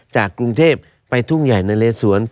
จากกรุงเทพไปทุ่งใหญ่นะเลสวน